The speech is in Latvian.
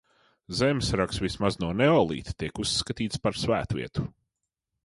Zemesrags vismaz no neolīta tiek uzskatīts par svētvietu.